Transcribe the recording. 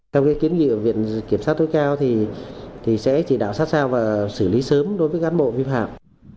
theo kiến nghị của viện kiểm sát tối cao thì sẽ chỉ đạo sát sao và xử lý sớm đối với cán bộ vi phạm